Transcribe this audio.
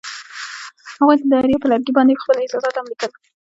هغوی د دریا پر لرګي باندې خپل احساسات هم لیکل.